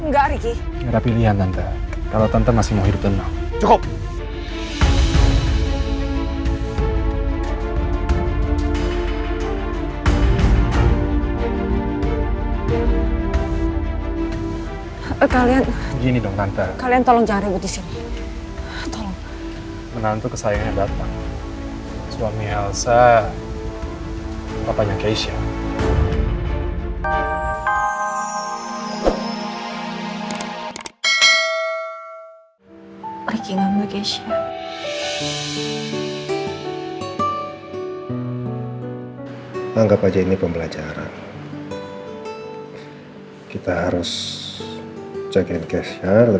sampai jumpa di video selanjutnya